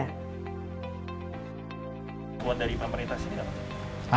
buat dari pemerintah sini dapat nggak